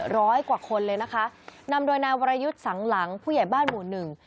ร้อยกว่าคนเลยนะคะนำโดยนายวรยุทธ์สังหลังผู้ใหญ่บ้านหมู่หนึ่ง